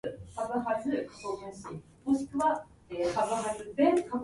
ピアウイ州の州都はテレジーナである